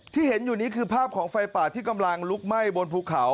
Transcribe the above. ที่เห็นอยู่นี้คือภาพของไฟป่าที่กำลังลุกไหม้บนภูเขา